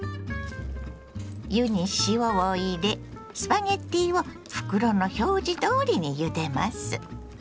湯に塩を入れスパゲッティを袋の表示どおりにゆでます。